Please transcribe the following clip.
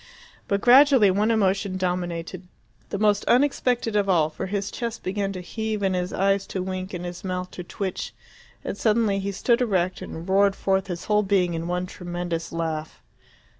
But gradually one emotion dominated, the most unexpected of all; for his chest began to heave and his eyes to wink and his mouth to twitch, and suddenly he stood erect and roared forth his whole being in one tremendous laugh.